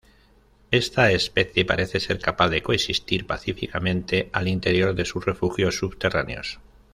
Esta especie parece ser capaz de coexistir pacíficamente al interior de sus refugios subterráneos.